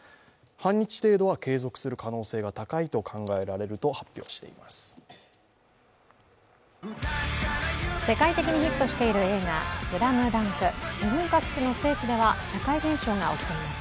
半日程度は継続する可能性が高いと考えられると発表しています。